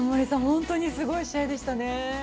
本当にすごい試合でしたね。